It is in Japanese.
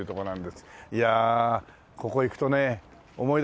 いやあここ行くとね思い出すんですよ